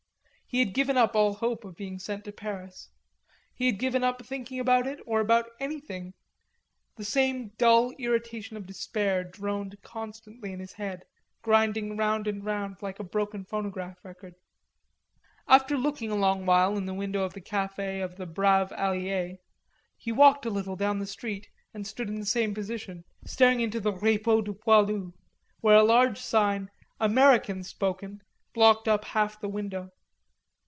He had given up all hope of being sent to Paris. He had given up thinking about it or about anything; the same dull irritation of despair droned constantly in his head, grinding round and round like a broken phonograph record. After looking a long while in the window of the cafe of the Braves Allies, he walked a little down the street and stood in the same position staring into the Repos du Poilu, where a large sign "American spoken" blocked up half the window.